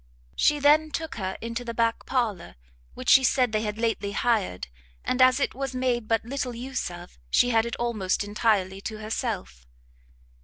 She then took her into the back parlour, which she said they had lately hired, and, as it was made but little use of, she had it almost entirely to herself.